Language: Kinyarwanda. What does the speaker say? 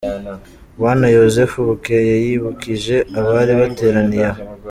Bwana Yozefu Bukeye yibukije abari bateraniye aho,